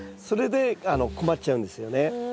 それで困っちゃうんですよね。